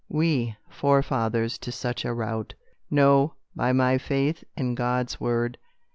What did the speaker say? "We forefathers to such a rout! No, by my faith in God's word!"